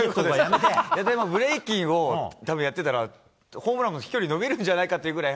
でも、ブレイキンをやってたらホームランの飛距離も伸びるんじゃないかってぐらい。